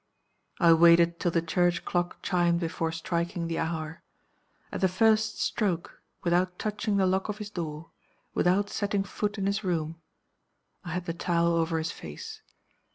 "I waited till the church clock chimed before striking the hour. At the first stroke without touching the lock of his door, without setting foot in his room I had the towel over his face.